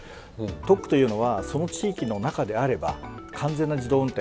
特区というのはその地域の中であれば完全な自動運転